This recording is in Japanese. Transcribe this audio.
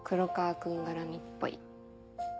君がらみっぽい。